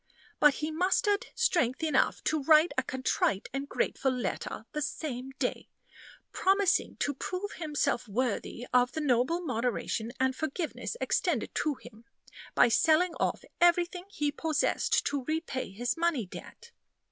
"But he mustered strength enough to write a contrite and grateful letter the same day, promising to prove himself worthy of the noble moderation and forgiveness extended to him, by selling off everything he possessed to repay his money debt.